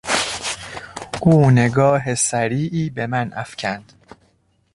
او نگاه سریعی بهمن افکند.